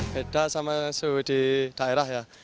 beda sama suhu di daerah ya